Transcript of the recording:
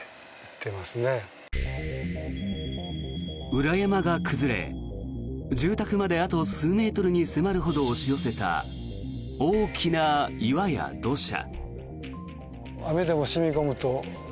裏山が崩れ住宅まであと数メートルにまで迫るほど押し寄せた大きな岩や土砂。